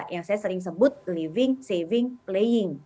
yang saya sering sebut living saving playing